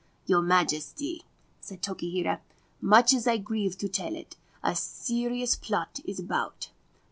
' Your Majesty/ said Tokihira, * much as I grieve to tell it, a serious plot is about.